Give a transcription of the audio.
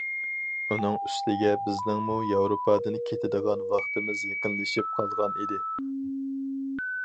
ئۇنىڭ ئۈستىگە بىزنىڭمۇ ياۋروپادىن كېتىدىغان ۋاقتىمىز يېقىنلىشىپ قالغان ئىدى.